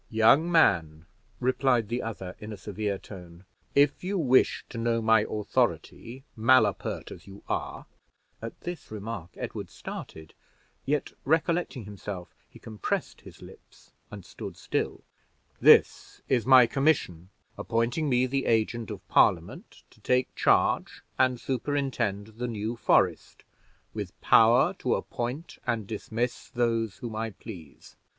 "Young man," replied the other, in a severe tone, "if you wish to know my authority, malapert as you are (at this remark Edward started, yet, recollecting himself, he compressed his lips and stood still), this is my commission, appointing me the agent of Parliament to take charge and superintend the New Forest, with power to appoint and dismiss those whom I please.